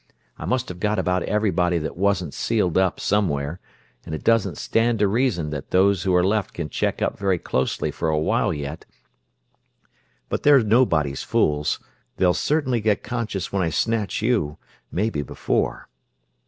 I must have got about everybody that wasn't sealed up somewhere, and it doesn't stand to reason that those who are left can check up very closely for a while yet. But they're nobody's fools they'll certainly get conscious when I snatch you, maybe before